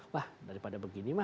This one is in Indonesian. wah daripada begini mah